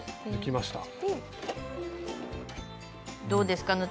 どうですか？